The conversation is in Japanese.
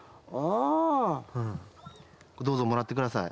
どうぞもらってください。